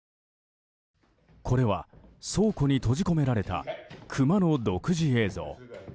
これは倉庫に閉じ込められたクマの独自映像。